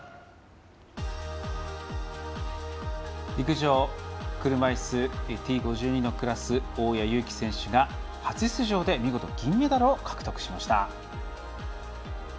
陸上、車いすＴ５２のクラス大矢勇気選手が初出場で見事、銀メダルを獲得しました。